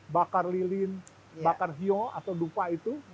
bakar lilin bakar hiyo atau dupa itu